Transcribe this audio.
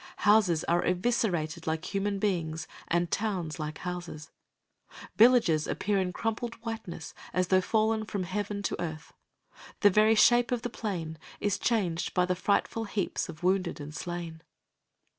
Houses are eviscerated like human beings and towns like houses. Villages appear in crumpled whiteness as though fallen from heaven to earth. The very shape of the plain is changed by the frightful heaps of wounded and slain.